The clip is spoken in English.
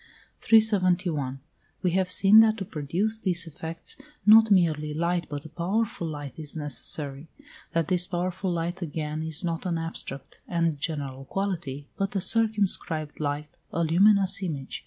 371. We have seen that to produce these effects not merely light but a powerful light is necessary; that this powerful light again is not an abstract and general quality, but a circumscribed light, a luminous image.